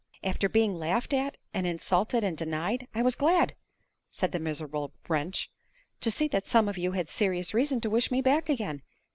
"After being laughed at and insulted and denied, I was glad," said the miserable wretch, "to see that some of you had serious reason to wish me back again.